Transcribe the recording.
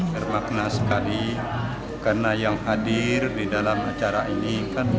bermakna sekali karena yang hadir di dalam acara ini